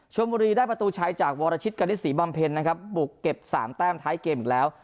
ชนบุรีได้ประตูชัยจากวรชิตกณิตศรีบำเพ็ญนะครับบุกเก็บ๓แต้มท้ายเกมอีกแล้ว